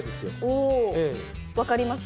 おー、分かります？